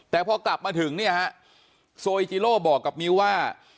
แต่พอกลับมาถึงโซอีจิโร่บอกกับมิวว่า